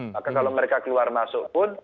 maka kalau mereka keluar masuk pun